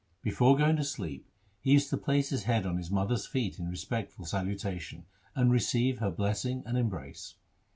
Before going to sleep he used to place his head on his mother's feet in respectful salutation and receive her blessing and embrace.